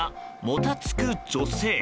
もたつく女性。